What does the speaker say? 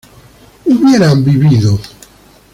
hubieran vivido